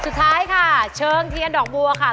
สุดท้ายค่ะเชิงเทียนดอกบัวค่ะ